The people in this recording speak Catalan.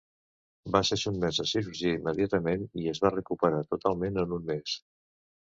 Va ser sotmès a cirurgia immediatament i es va recuperar totalment en un mes.